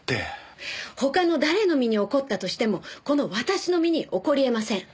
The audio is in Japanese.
他の誰の身に起こったとしてもこの私の身に起こりえません。